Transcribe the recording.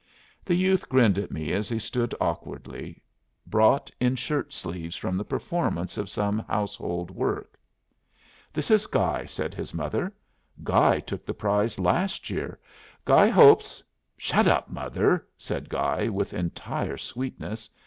The youth grinned at me as he stood awkwardly, brought in shirtsleeves from the performance of some household work. "This is Guy," said his mother. "Guy took the prize last year. Guy hopes " "Shut up, mother," said Guy, with entire sweetness.